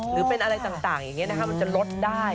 หรือเป็นอะไรต่างมันจะลดได้